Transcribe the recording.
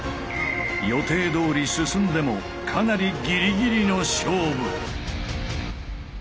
予定どおり進んでもかなりギリギリの勝負。